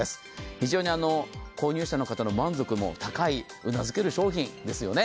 非常に購入者の方の満足の高い非常にうなずける商品ですよね。